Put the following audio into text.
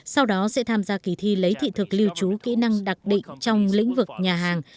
sau đó sẽ tham gia kỳ thi lấy thị thực lưu trú kỹ năng đặc định trong lĩnh vực nhà hàng